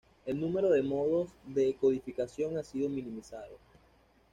El número de modos de codificación ha sido minimizado.